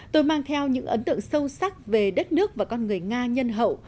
tôi mang theo những ấn tượng sâu sắc về đất nước và con người nga nhân hậu